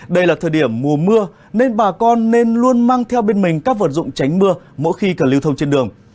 đây là thời điểm mùa mưa nên bà con nên luôn mang theo bên mình các vật dụng tránh mưa mỗi khi cần lưu thông trên đường